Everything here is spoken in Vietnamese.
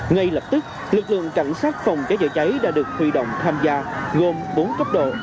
ngay lập tức lực lượng cảnh sát phòng cháy chữa cháy đã được huy động tham gia gồm bốn cấp độ